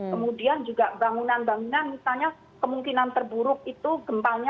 kemudian juga bangunan bangunan misalnya kemungkinan terburuk itu gempalnya sembilan ya